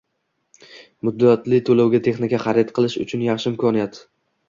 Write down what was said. Muddatli to'lovga texnika xarid qilish uchun yaxshi imkoniyat!